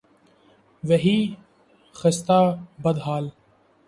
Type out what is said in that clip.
وہی خستہ، بد حال